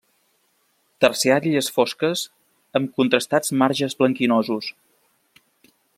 Terciàries fosques amb contrastats marges blanquinosos.